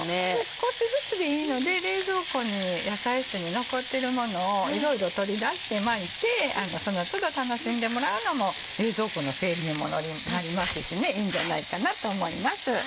少しずつでいいので冷蔵庫に野菜室に残ってるものをいろいろ取り出して巻いてその都度楽しんでもらうのも冷蔵庫の整理にもなりますしいいんじゃないかなと思います。